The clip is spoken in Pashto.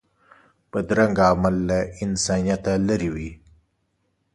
بدرنګه عمل له انسانیت لرې وي